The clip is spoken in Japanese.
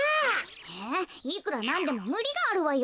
えいくらなんでもむりがあるわよ。